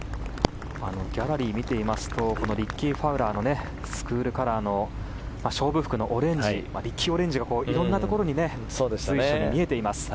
ギャラリーを見ていますとリッキー・ファウラーのスクールカラーの勝負服のオレンジリッキーオレンジがいろんなところに随所に見えています。